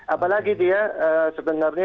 apalagi dia sebenarnya